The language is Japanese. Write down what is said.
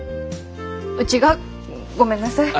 うちがごめんなさい。